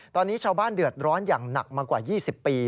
ตอนนี้ชาวบ้านเดือดร้อนอย่างหนักมากว่า๒๐ปี